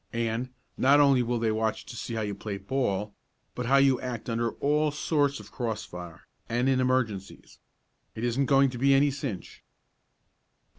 And, not only will they watch to see how you play ball, but how you act under all sorts of cross fire, and in emergencies. It isn't going to be any cinch."